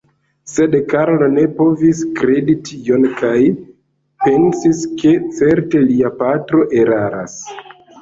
Sed Karlo ne povis kredi tion kaj pensis, ke certe lia patro eraras.